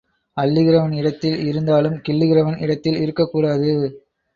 அள்ளுகிறவன் இடத்தில் இருந்தாலும் கிள்ளுகிறவன் இடத்தில் இருக்கக் கூடாது.